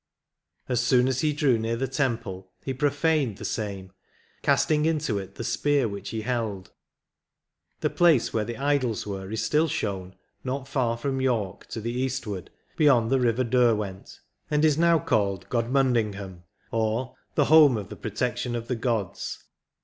... As soon as he drew near the temple he profaned the same, casting into it the spear which he held ;.... the place where the idols were is still shown, not far from York, to the eastward, beyond the River Derwent, and is now called Godmundingham." *— See Bedes " Ecclesiastical History" * Or, " The home of the protection of the gods."